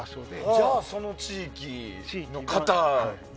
じゃあ、その地域の方。